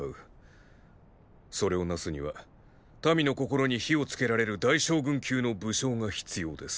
それをなすには民の心に火をつけられる大将軍級の武将が必要です。